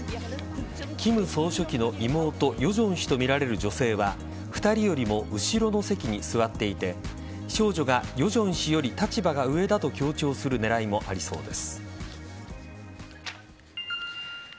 金総書記の妹ヨジョン氏とみられる女性は２人よりも後ろの席に座っていて少女がヨジョン氏より立場が上だと強調する狙いもありそうです。